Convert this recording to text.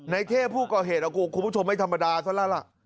เท่ผู้ก่อเหตุคุณผู้ชมไม่ธรรมดาซะแล้วล่ะ